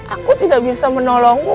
aku tidak bisa menolongmu